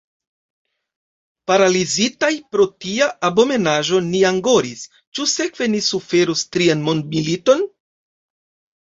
Paralizitaj pro tia abomenaĵo ni angoris: ĉu sekve ni suferos trian mondmiliton?